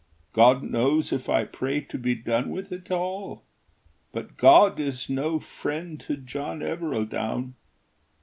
God knows if I pray to be done with it all, But God is no friend to John Evereldown.